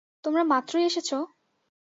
তোমরা মাত্রই এসেছো?